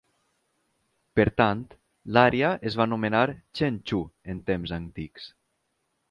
Per tant, l'àrea es va anomenar "Chen Chu" en temps antics.